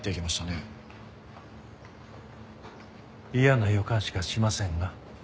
嫌な予感しかしませんが。